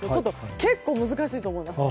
結構難しいと思います。